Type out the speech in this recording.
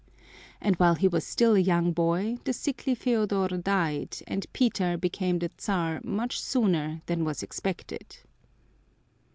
And while he was still a young boy the sickly Feodor died and Peter became the Czar much sooner than was expected.